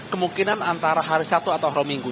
kemungkinan antara hari satu atau hari minggu